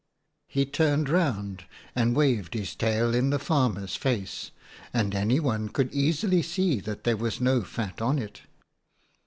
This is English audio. "He turned round and waved his tail in the farmer's face, and anyone could easily see that there was no fat on it.